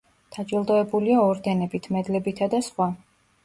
დაჯილდოებულია ორდენებით, მედლებითა და სხვა.